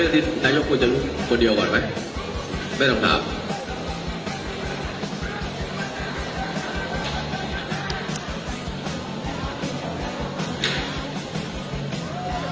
เวลาที่มันได้รู้จักกันแล้วเวลาที่ไม่รู้จักกัน